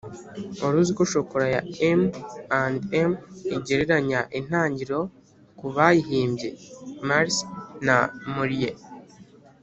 wari uziko shokora ya m & m igereranya intangiriro kubayihimbye mars na murrie